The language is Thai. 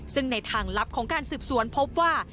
ซึ่งในทางลับของการสืบสวนพบว่า